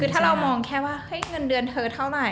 คือถ้าเรามองแค่ว่าเงินเดือนเธอเท่าไหร่